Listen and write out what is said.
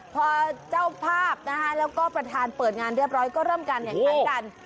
พอเจ้าภาพนะคะแล้วก็ประธานเปิดงานเรียบร้อยก็เริ่มการแข่งขันกัน